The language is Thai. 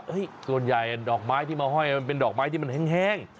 ก็บอกว่าเฮ้ยส่วนใหญ่ดอกไม้ที่มาห้อยมันเป็นดอกไม้ที่แห้ง